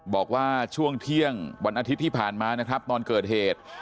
บอกว่าช่วงเที่ยงวันอาทิตย์ที่ผ่านมานะครับตอนเกิดเหตุ